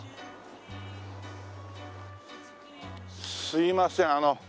すいません。